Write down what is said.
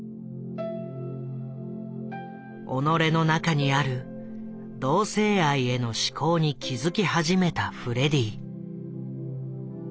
己の中にある同性愛への指向に気付き始めたフレディ。